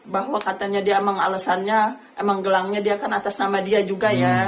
bahwa katanya dia memang alesannya memang gelangnya dia kan atas nama dia juga ya